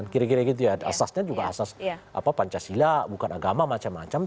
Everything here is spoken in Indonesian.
kira kira gitu ya asasnya juga asas pancasila bukan agama macam macam